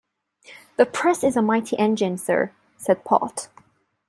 ‘The press is a mighty engine, sir,’ said Pott.